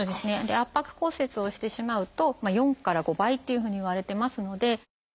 圧迫骨折をしてしまうと４から５倍っていうふうにいわれてますので。